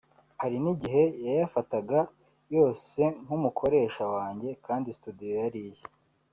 Hari n’igihe yayafataga yose nk’umukoresha wanjye kandi studio yari iye